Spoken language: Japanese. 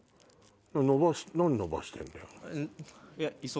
何伸ばしてんだよ！